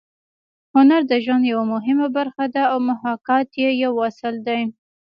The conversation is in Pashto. هنر د ژوند یوه مهمه برخه ده او محاکات یې یو اصل دی